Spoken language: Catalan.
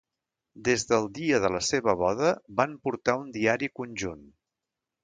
Des del dia de la seva boda van portar un diari conjunt.